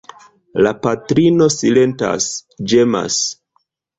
La patrino silentas, ĝemas.